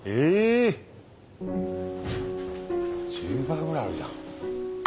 １０倍ぐらいあるじゃん。